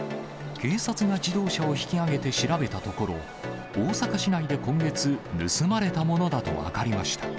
警察が自動車を引き揚げて調べたところ、大阪市内で今月、盗まれたものだと分かりました。